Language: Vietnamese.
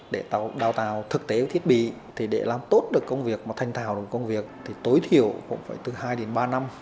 để đào tạo thực tế thiết bị thì để làm tốt được công việc mà thành thảo được công việc thì tối thiểu cũng phải từ hai đến ba năm